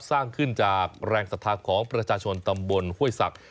สร้างขึ้นจากแรงสถาปของประชาชนตำบลฮ่วยศักดิ์